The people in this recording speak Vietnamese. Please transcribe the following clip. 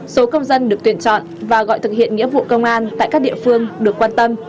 số công dân được tuyển chọn và gọi thực hiện nghĩa vụ công an tại các địa phương được quan tâm